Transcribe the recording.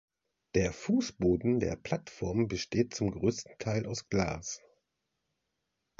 Der Fußboden der Plattform besteht zum großen Teil aus Glas.